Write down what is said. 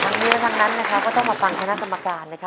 ทั้งนี้ทั้งนั้นนะครับก็ต้องมาฟังคณะกรรมการนะครับ